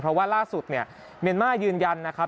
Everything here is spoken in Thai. เพราะว่าล่าสุดเนี่ยเมียนมายืนยันนะครับ